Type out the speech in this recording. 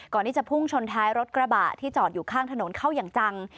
ก่อนที่จะพุ่งชนท้ายรถกระบะที่จอดอยู่ข้างถนนเข้าอย่างจัง